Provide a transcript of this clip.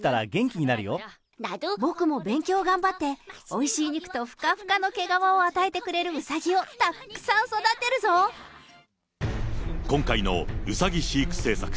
僕も勉強頑張って、おいしい肉とふかふかの毛皮を与えてくれるうさぎをたくさん育て今回のうさぎ飼育政策。